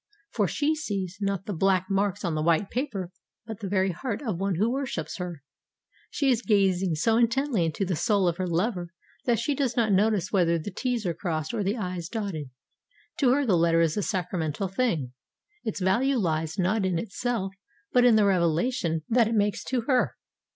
For she sees, not the black marks on the white paper, but the very heart of one who worships her. She is gazing so intently into the soul of her lover that she does not notice whether the 't's' are crossed, or the 'i's' dotted. To her the letter is a sacramental thing; its value lies not in itself, but in the revelation that it makes to her.